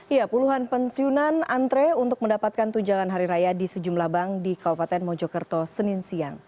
ya puluhan pensiunan antre untuk mendapatkan tunjangan hari raya di sejumlah bank di kabupaten mojokerto senin siang